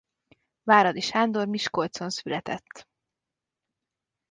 Várady Sándor Miskolcon született.